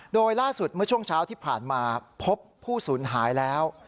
โดยล่าสุดเมื่อช่วงเช้าที่ผ่านมาพบผู้สูญหายแล้ว